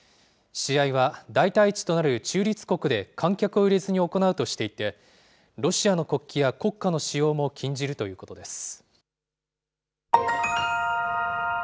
試合は代替地となる中立国で観客を入れずに行うとしていて、ロシアの国旗や国歌の使用も禁じるということです。